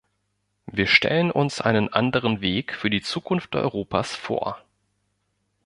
Wir stellen uns einen anderen Weg für die Zukunft Europas vor.